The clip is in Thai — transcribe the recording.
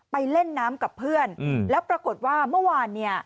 ไปเล่นน้ำกับเพื่อนแล้วปรากฏว่าเมื่อวานเนี่ย